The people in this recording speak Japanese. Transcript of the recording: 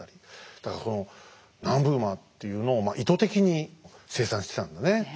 だからその南部馬っていうのを意図的に生産してたんだね。